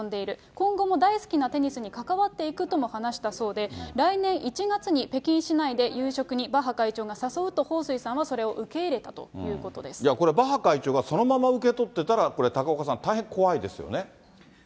今後も大好きなテニスに関わっていくとも話したそうで、来年１月に北京市内で夕食にバッハ会長が誘うと彭帥さんはそれをこれ、バッハ会長がそのまま受け取ってたら、高岡さん、大変怖いですよね。